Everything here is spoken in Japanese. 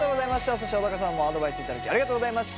そして小高さんもアドバイスいただきありがとうございました。